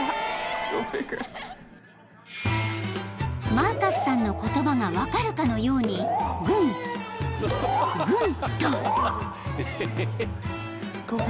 ［マーカスさんの言葉が分かるかのようにぐんぐんと］